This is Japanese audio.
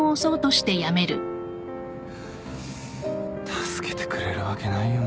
助けてくれるわけないよな。